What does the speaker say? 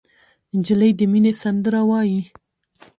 نجلۍ د مینې سندره وایي.